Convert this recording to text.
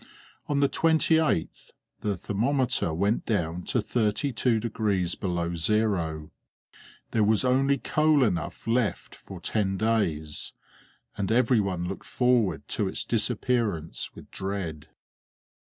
On the 28th the thermometer went down to 32 degrees below zero; there was only coal enough left for ten days, and everyone looked forward to its disappearance with dread.